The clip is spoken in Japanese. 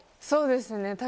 そうですね。